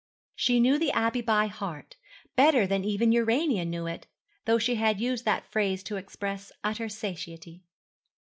She knew the Abbey by heart better than even Urania knew it; though she had used that phrase to express utter satiety.